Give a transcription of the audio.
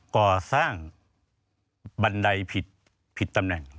ก่อสร้างบันไดผิดตำแหน่ง